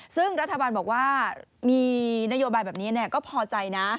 ซึ่งรัฐบาลบอกว่ามีนโยบายแบบนี้ก็พอใจนะ